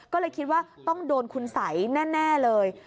ก็เลยคิดว่าต้องโดนคุณสัยแน่เลย